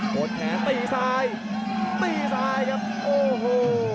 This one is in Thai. ดแขนตีซ้ายตีซ้ายครับโอ้โห